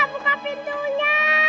papa buka pintunya